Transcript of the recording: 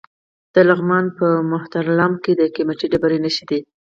د لغمان په مهترلام کې د قیمتي ډبرو نښې دي.